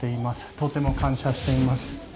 とても感謝しています。